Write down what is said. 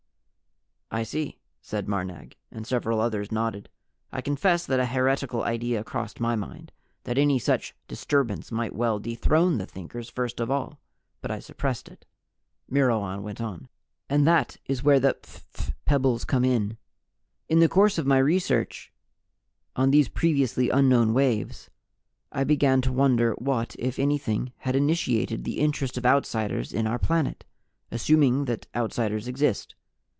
"I see," said Marnag, and several others nodded. I confess that a heretical idea crossed my mind that any such disturbance might well dethrone the Thinkers first of all but I suppressed it. Myrwan went on: "And that is where the phph pebbles come in. In the course of my researches on these previously unknown waves, I began to wonder what, if anything, had initiated the interest of outsiders in our planet, assuming that outsiders exist.